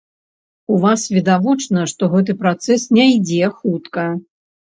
У вас відавочна, што гэты працэс не ідзе хутка.